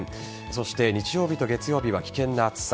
そして日曜日と月曜日は危険な暑さ。